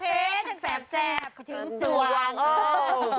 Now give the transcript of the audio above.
เย้ทั้งแซ่บถึงสว่าง